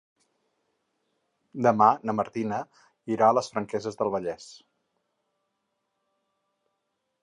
Demà na Martina irà a les Franqueses del Vallès.